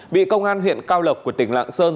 bị công an huyện cao lộc của tỉnh lạng sơn